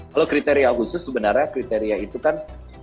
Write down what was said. kalau kriteria khusus sebenarnya kriteria itu kan